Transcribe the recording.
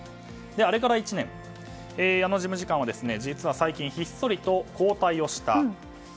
あれから１年矢野事務次官は最近ひっそりと交代した。